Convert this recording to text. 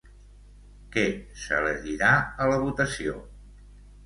Què s'elegirà a la votació?